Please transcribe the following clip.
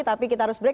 tapi kita harus break